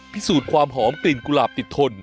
พิสูจน์ความหอมกลิ่นกุหลาบติดทน